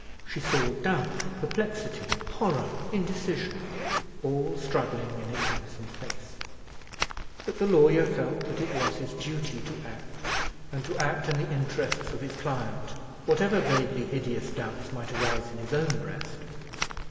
She saw doubt, perplexity, horror, indecision, all struggling in his handsome face. But the lawyer felt that it was his duty to act, and to act in the interests of his client, whatever vaguely hideous doubts might arise in his own breast.